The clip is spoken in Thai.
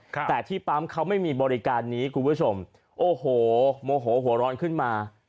แต่ที่ปั๊มเขาไม่มีบริการนี้คุณผู้ชมโอ้โหโมโหหัวร้อนขึ้นมา